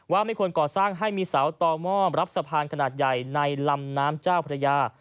ไม่ควรก่อสร้างให้มีเสาต่อหม้อมรับสะพานขนาดใหญ่ในลำน้ำเจ้าพระยา